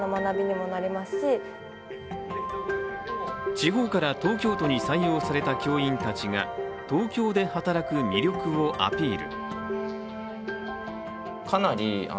地方から東京都に採用された教員たちが東京で働く魅力をアピール。